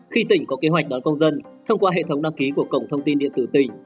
khi tỉnh có kế hoạch đón công dân thông qua hệ thống đăng ký của cổng thông tin điện tử tỉnh